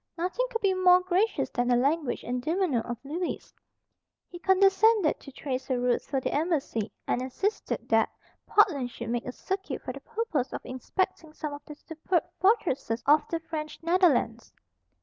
Nothing could be more gracious than the language and demeanour of Lewis. He condescended to trace a route for the embassy, and insisted that Portland should make a circuit for the purpose of inspecting some of the superb fortresses of the French Netherlands.